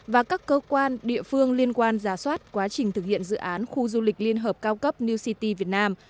và các cơ quan địa phương liên quan giả soát quá trình thực hiện dự án khu du lịch liên hợp cao cấp new city việt nam